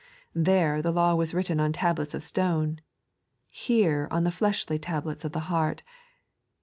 There, the Iaw was written on tablets of stone ; htn, on the fleshy tablets of the heart.